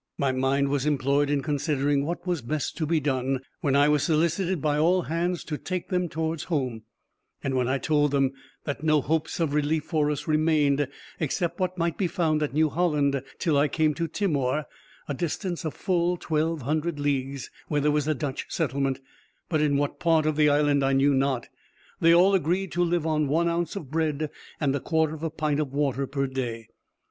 My mind was employed in considering what was best to be done, when I was solicited by all hands to take them towards home; and when I told them that no hopes of relief for us remained, except what might be found at New Holland, till I came to Timor, a distance of full twelve hundred leagues, where there was a Dutch settlement, but in what part of the island I knew not, they all agreed to live on one ounce of bread and a quarter of a pint of water per day.